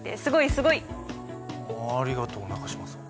すごい！ありがとう中島さん。